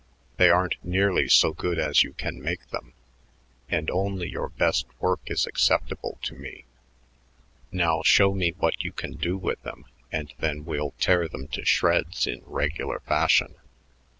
They aren't nearly so good as you can make them, and only your best work is acceptable to me. Now show me what you can do with them, and then we'll tear them to shreds in regular fashion."